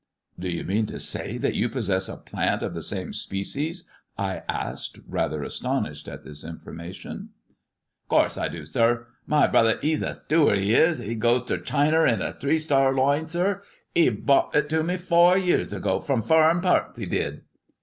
a Do you mean to say that you possess a plant of the same species?" I asked, rather astonished at this information. " 'Course I do, sir. My brother 'e's a steward 'e is ; 'e goes to Chiner on the Three Star Loine, sir. 'E browght it to me fower years ago from furren parts 'e did."